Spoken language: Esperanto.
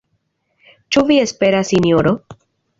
Ĉu vi esperas, sinjoro?